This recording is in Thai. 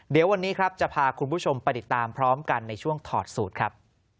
เดี๋ยววันนี้ครับจะพาคุณผู้ชมไปติดตามพร้อมกันในช่วงถอดสูตรครับ